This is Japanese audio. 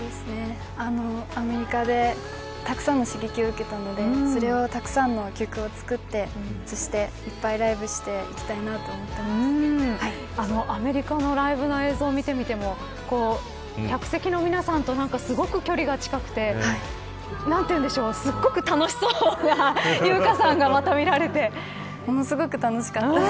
アメリカでたくさんの刺激を受けたのでそれをたくさんの曲を作ってそして、いっぱいライブアメリカのライブの映像を見てみても客席の皆さんとすごく距離が近くてすごく楽しそうな由薫さんが、また見られて。